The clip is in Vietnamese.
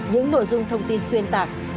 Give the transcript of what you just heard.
những nội dung thông tin xuyên tạc